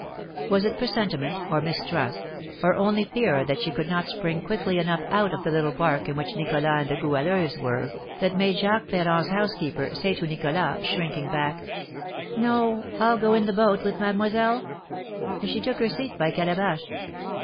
Was it presentiment, or mistrust, or only fear that she could not spring quickly enough out of the little bark in which Nicholas and the Goualeuse were, that made Jacques Ferrand's housekeeper say to Nicholas, shrinking back, "No, I'll go in the boat with mademoiselle?" And she took her seat by Calabash.